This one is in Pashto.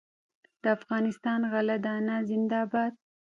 د افغانستان غله دانه زنده باد.